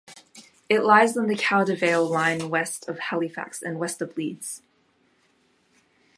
It lies on the Caldervale Line west of Halifax and west of Leeds.